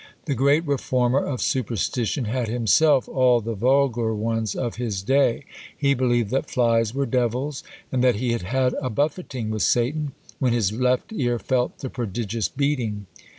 The great reformer of superstition had himself all the vulgar ones of his day; he believed that flies were devils; and that he had had a buffeting with Satan, when his left ear felt the prodigious beating.